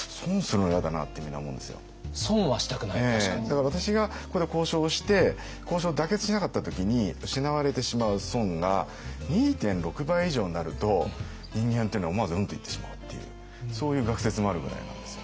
だから私がここで交渉をして交渉が妥結しなかった時に失われてしまう損が２．６倍以上になると人間っていうのは思わず「うん」と言ってしまうっていうそういう学説もあるぐらいなんですよ。